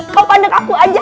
kau pandang aku aja